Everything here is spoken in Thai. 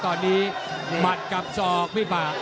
ตอนนี้หมัดกับศอกพี่ปาก